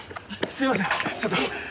すいませんちょっと。